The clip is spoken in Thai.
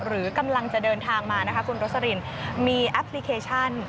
หรือกำลังจะเดินทางมานะคะคุณโรสลินมีแอปพลิเคชัน